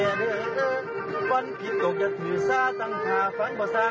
เพราะแสงที่นักกว่านคนจังเทือนเมืองก็ได้ว่า